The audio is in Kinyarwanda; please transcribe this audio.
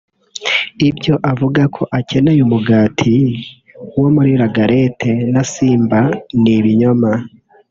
Ibyo avuga ko akaneye umugati wo muri La Galette na Simba ni ibinyoma